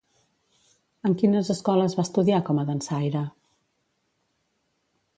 En quines escoles va estudiar com a dansaire?